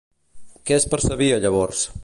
Què es percebia llavors?